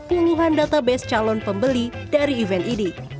puluhan database calon pembeli dari event ini